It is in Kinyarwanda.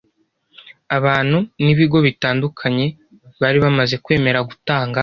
abantu n’ibigo bitandukanye bari bamaze kwemera gutanga